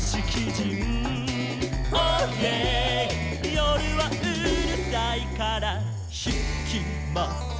「よるはうるさいからひきません」